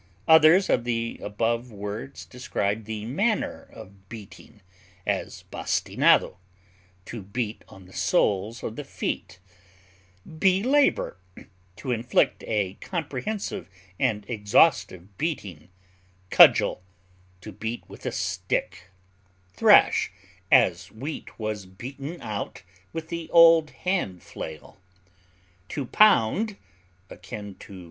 Others of the above words describe the manner of beating, as bastinado, to beat on the soles of the feet; belabor, to inflict a comprehensive and exhaustive beating; cudgel, to beat with a stick; thrash, as wheat was beaten out with the old hand flail; to pound (akin to L.